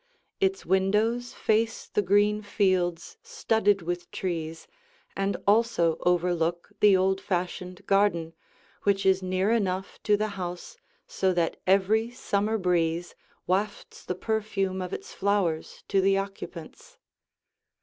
Its windows face the green fields studded with trees and also overlook the old fashioned garden which is near enough to the house so that every summer breeze wafts the perfume of its flowers to the occupants.